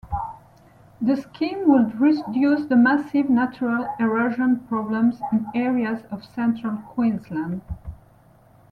The scheme would reduce the massive natural erosion problems in areas of Central Queensland.